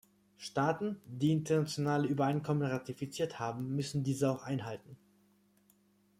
Staaten, die internationale Übereinkommen ratifiziert haben, müssen diese auch einhalten.